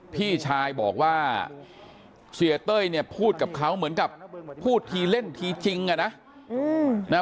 พี่ชายบอกว่าเสียเต้ยเนี่ยพูดกับเขาเหมือนกับพูดทีเล่นทีจริงอ่ะนะ